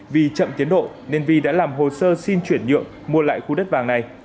vì chậm tiến độ nên vi đã làm hồ sơ xin chuyển nhượng mua lại khu đất vàng này